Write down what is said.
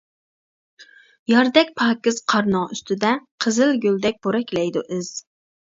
ياردەك پاكىز قارنىڭ ئۈستىدە، قىزىل گۈلدەك پورەكلەيدۇ ئىز.